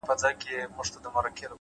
اخلاص د الفاظو اغېز پیاوړی کوي’